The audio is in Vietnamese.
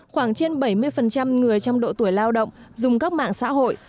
khoảng trên bảy mươi người trong độ tuổi lao động dùng các mạng xã hội